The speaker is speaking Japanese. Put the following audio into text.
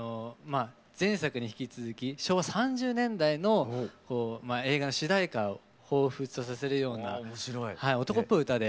前作に引き続き昭和３０年代の映画の主題歌を彷彿とさせるような男っぽい歌で。